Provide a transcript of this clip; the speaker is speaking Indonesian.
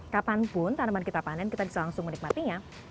kapanpun tanaman kita panen kita bisa langsung menikmatinya